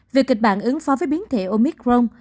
việc kịch bản ứng phó với biến thể omicron